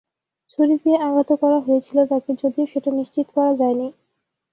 ছুরি দিয়ে আঘাতও করা হয়েছিল তাকে, যদিও সেটা নিশ্চিত করা যায়নি।